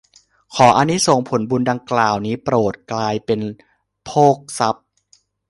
ขออานิสงส์ผลบุญดังกล่าวนี้โปรดกลายเป็นโภคทรัพย์